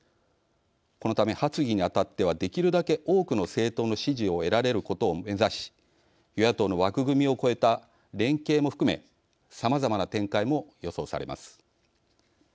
このため、発議に当たってはできるだけ多くの政党の支持を得られることを目指し与野党の枠組みを超えた連携も含めさまざまな展開も予想されます。